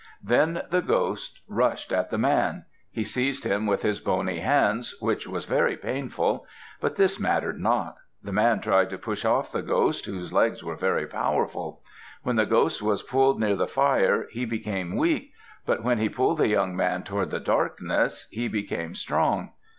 Then the ghost rushed at the man. He seized him with his bony hands, which was very painful; but this mattered not. The man tried to push off the ghost, whose legs were very powerful. When the ghost was pulled near the fire, he became weak; but when he pulled the young man toward the darkness, he became strong.